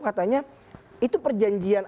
katanya itu perjanjian